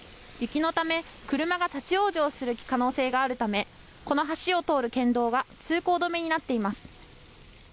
雪のため車が立往生する可能性があるため、この橋を通る県道は通行止めになっています。